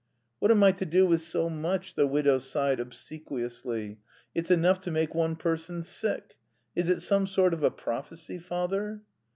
"What am I to do with so much," the widow sighed obsequiously. "It's enough to make one person sick!... Is it some sort of a prophecy, father?"